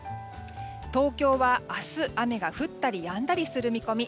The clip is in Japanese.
東京は明日、雨が降ったりやんだりする見込み。